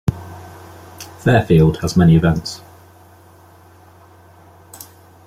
Fairfield has many events.